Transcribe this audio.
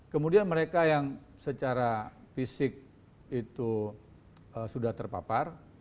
kemudian mereka yang secara fisik itu sudah terpapar